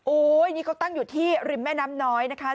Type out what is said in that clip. นี่เขาตั้งอยู่ที่ริมแม่น้ำน้อยนะคะ